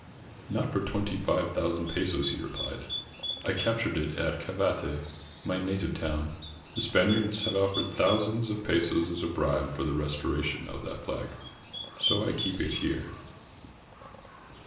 ''Not for twenty five thousand pesos," he replied. ''I captured it at Cavite, my native town. The Spaniards have offered thousands of pesos as a bribe for the restoration of that flag, so I keep it here."